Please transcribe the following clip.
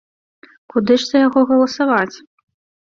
Куды ж за яго галасаваць?